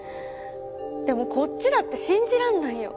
でもこっちだって信じらんないよ。